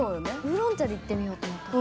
ウーロン茶で行ってみようと思って。